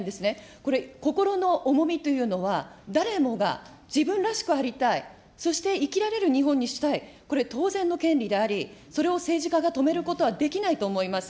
これ、心の重みというのは、誰もが自分らしくありたい、そして生きられる日本にしたい、これ、当然の権利であり、それを政治家が止めることはできないと思います。